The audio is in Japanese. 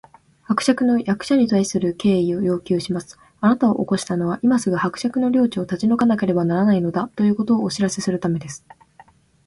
「伯爵の役所に対する敬意を要求します！あなたを起こしたのは、今すぐ伯爵の領地を立ち退かなければならないのだ、ということをお知らせするためです」